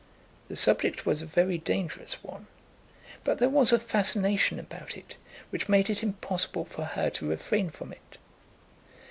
The subject was a very dangerous one, but there was a fascination about it which made it impossible for her to refrain from it.